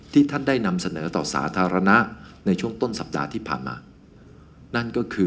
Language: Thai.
ท่านได้นำเสนอต่อสาธารณะในช่วงต้นสัปดาห์ที่ผ่านมานั่นก็คือ